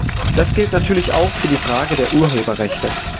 Das gilt natürlich auch für die Frage der Urheberrechte.